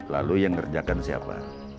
lalu yang ngerjakan siapa